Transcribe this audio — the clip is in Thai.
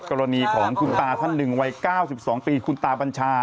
กรณีของคุณตาท่านหนึ่งวัย๙๒ปีคุณตาบัญชา